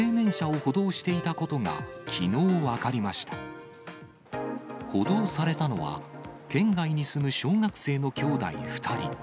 補導されたのは、県外に住む小学生の兄弟２人。